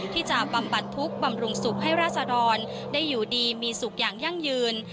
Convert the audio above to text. บำบัดทุกข์บำรุงสุขให้ราศดรได้อยู่ดีมีสุขอย่างยั่งยืน